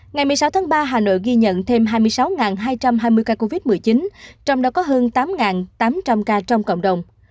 ngày một mươi sáu tháng ba hà nội ghi nhận thêm hai mươi sáu hai trăm hai mươi ca covid một mươi chín trong đó có hơn tám tám trăm linh ca trong cộng đồng